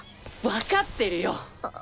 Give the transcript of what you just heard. わかってるよっ！